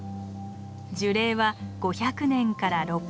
樹齢は５００年から６００年。